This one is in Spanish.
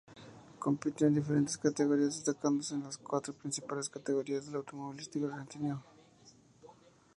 Compitió en diferentes categorías, destacándose en las cuatro principales categorías del automovilismo argentino.